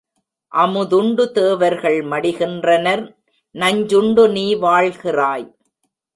அமுதுண்டு தேவர்கள் மடிகின்றனர் நஞ்சுண்டு நீ வாழ்கிறாய்.